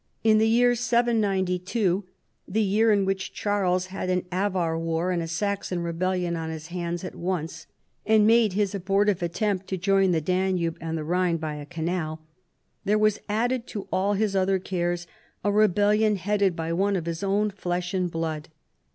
In the year 792 (the ^'^ear in which Charles had an Avar war and a Saxon rebellion on his hands at once, and made his abortive attempt to join the Danube and the Rhine by a canal),* there was added to all his other cares a rebellion headed by one of his own flesh and blood.